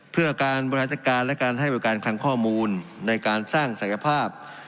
เพื่อการบริหารจัดการและการให้บริการคังข้อมูลในการสร้างศักยภาพ